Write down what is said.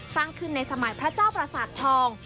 สร้างขึ้นในสมัยพระเจ้าประสาททอง